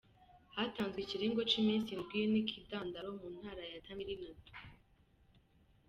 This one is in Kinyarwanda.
Hatanzwe ikiringo c'imisi indwi c'ikigandaro mu ntara ya Tamil Nadu.